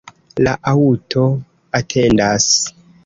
La aŭto atendas.